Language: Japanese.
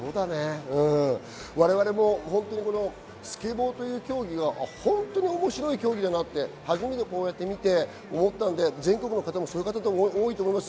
我々もスケボーという競技は、本当に面白い競技だなって初めて見て思ったので、全国の方も多いと思います。